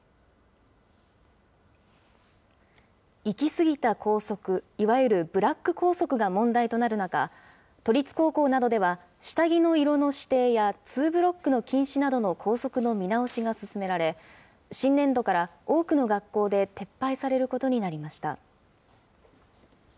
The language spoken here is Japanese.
行き過ぎた校則、いわゆるブラック校則が問題となる中、都立高校などでは下着の色の指定や、ツーブロックの禁止などの校則の見直しが進められ、新年度から多くの学校で撤廃されることになりました。